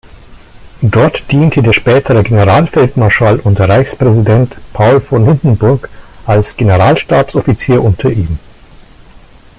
Dort diente der spätere Generalfeldmarschall und Reichspräsident Paul von Hindenburg als Generalstabsoffizier unter ihm.